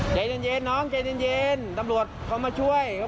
เจ่นเย็นน้องเจ่นเย็นน้ำพี่ล้ายคอมลงที่ละคอนคม